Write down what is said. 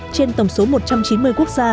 trên tổng số một trăm chín mươi quốc gia